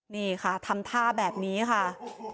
นี่ค่ะทำท่าแบบนี้ค่ะ